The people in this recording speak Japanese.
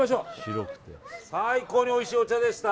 最高においしいお茶でした。